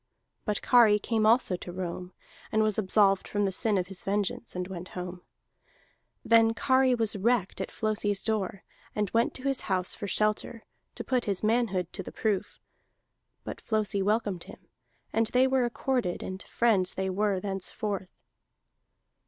But Kari came also to Rome, and was absolved from the sin of his vengeance, and went home. Then Kari was wrecked at Flosi's door, and went to his house for shelter, to put his manhood to the proof. But Flosi welcomed him, and they were accorded; and friends they were thenceforth.